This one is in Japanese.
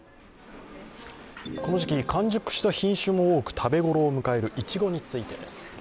この時期、完熟した品種も多く食べ頃を迎えるいちごについてです。